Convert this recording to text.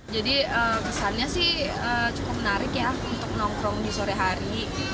jadi kesannya sih cukup menarik ya untuk nongkrong di sore hari